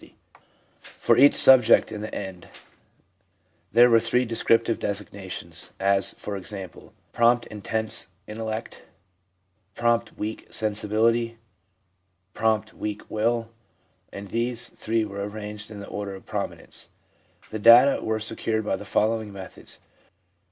72 THE PSYCHOLOGY OF RELIGION For each subject, in the end, there were three descriptive designations, as, for example, prompt intense intellect, prompt weak sensibility, prompt weak will, and these three were arranged in the order of prominence. ... 'The data were secured by the following methods.